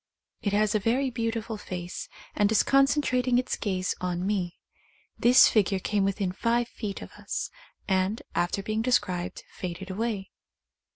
It has a very beautiful face, and is concentrating its gaze on me. This figure came within five feet of us, and, after being described, faded away.